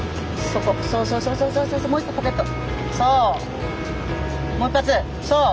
そうそうそうそう。